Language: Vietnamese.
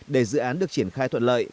để dự án được triển khai thuận lợi